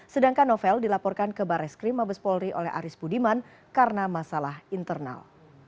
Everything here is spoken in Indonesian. sedangkan novel dilaporkan ke baris krim mabes polri oleh aris budiman karena masalah internal